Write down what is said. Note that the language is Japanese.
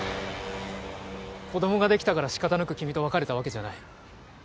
子供ができたから仕方なく君と別れたわけじゃない。